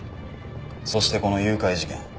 そしてこの誘拐事件。